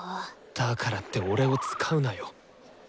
だからって俺を使うなよ。